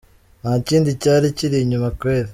Nta kindi cyari kiri inyuma kweli.